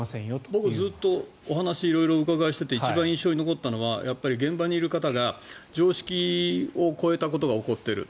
僕ずっとお話を色々お伺いしていて一番印象に残ったのは現場にいる方が常識が超えたことが起こっている。